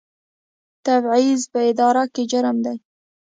تبعیض په اداره کې جرم دی